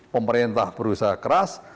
pemerintah berusaha keras